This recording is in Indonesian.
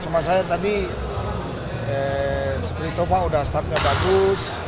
cuma saya tadi seperti itu pak udah startnya bagus